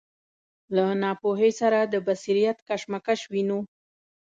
له ناپوهۍ سره د بصیرت کشمکش وینو.